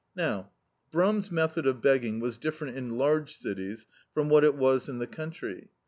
Now, Brum's method of begging was dif ferent in large cities from what it was in the country.